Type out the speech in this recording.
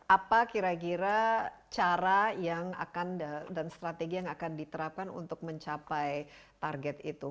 apa kira kira cara yang akan dan strategi yang akan diterapkan untuk mencapai target itu